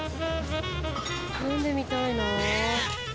飲んでみたいな。